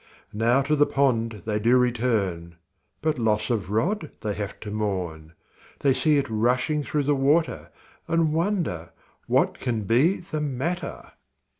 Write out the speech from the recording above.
Now to the pond they do return, But loss of rod they have to mourn, They see it rushing through the water, And wonder what can be the matter.